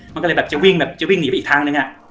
มันก็เลยหลีกล้องอีกทาง